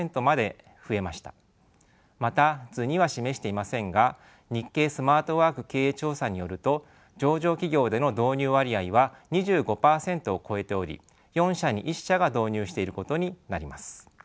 また図には示していませんが日経スマートワーク経営調査によると上場企業での導入割合は２５％を超えており４社に１社が導入していることになります。